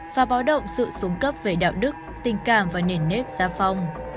và báo động sự xuống cấp về đạo đức tình cảm và nền nếp gia phong